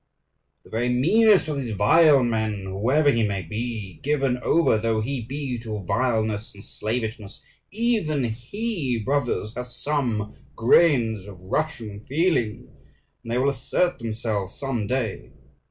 But the very meanest of these vile men, whoever he may be, given over though he be to vileness and slavishness, even he, brothers, has some grains of Russian feeling; and they will assert themselves some day.